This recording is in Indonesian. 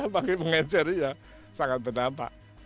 bagi mengejar sangat berdampak